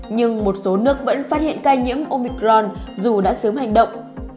nhưng một số nước vẫn phát hiện ca nhiễm omicron dù đã sớm hành động